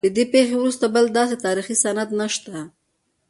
له دې پیښې وروسته بل داسې تاریخي سند نشته.